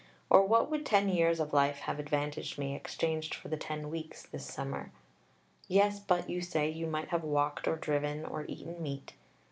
or what would ten years of life have advantaged me, exchanged for the ten weeks this summer? Yes, but, you say, you might have walked or driven or eaten meat.